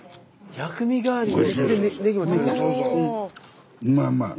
薬味代わりに。